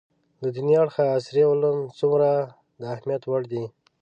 له دیني اړخه عصري علوم څومره د اهمیت وړ دي